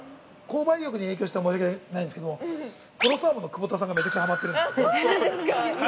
◆購買意欲に影響したら申し訳ないんですけど、とろサーモンの久保田さんがめちゃくちゃはまってるんです。